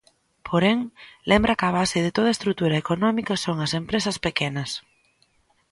Porén, lembra que a base de toda estrutura económica son as empresas pequenas.